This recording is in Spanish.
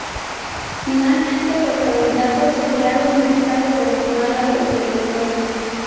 Finalmente, los candidatos enviaron un mensaje personal a los electores.